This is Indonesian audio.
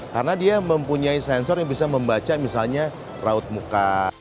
karena dia mempunyai sensor yang bisa membaca misalnya raut muka